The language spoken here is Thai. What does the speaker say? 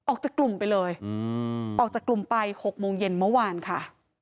ออกจากกลุ่มไปเลยออกจากกลุ่มไป๖โมงเย็นเมื่อวานค่ะ